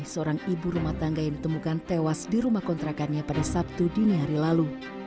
seorang ibu rumah tangga yang ditemukan tewas di rumah kontrakannya pada sabtu dini hari lalu